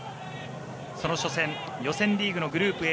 その初戦予選リーグのグループＡ